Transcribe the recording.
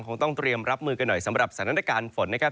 คงต้องเตรียมรับมือกันหน่อยสำหรับสถานการณ์ฝนนะครับ